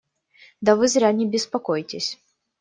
Да вы зря не беспокойтесь.